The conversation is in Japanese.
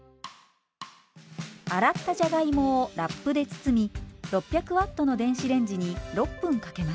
洗ったじゃがいもをラップで包み６００Ｗの電子レンジに６分かけます。